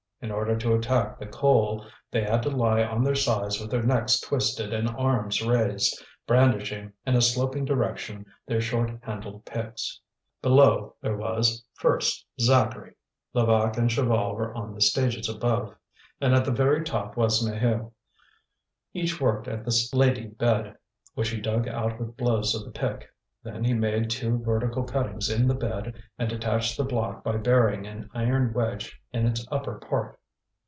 In order to attack the coal, they had to lie on their sides with their necks twisted and arms raised, brandishing, in a sloping direction, their short handled picks. Below there was, first, Zacharie; Levaque and Chaval were on the stages above, and at the very top was Maheu. Each worked at the slaty bed, which he dug out with blows of the pick; then he made two vertical cuttings in the bed and detached the block by burying an iron wedge in its upper part.